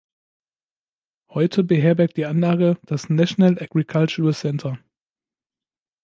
Heute beherbergt die Anlage das National Agricultural Centre.